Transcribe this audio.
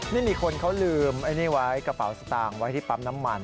นี่มีคนเขาลืมไอ้นี่ไว้กระเป๋าสตางค์ไว้ที่ปั๊มน้ำมัน